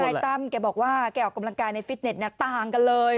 ตั้มแกบอกว่าแกออกกำลังกายในฟิตเน็ตต่างกันเลย